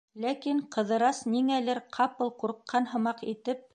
Ләкин Ҡыҙырас, ниңәлер, ҡапыл ҡурҡҡан һымаҡ итеп: